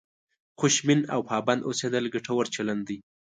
خوشبین او پابند اوسېدل ګټور چلند دی.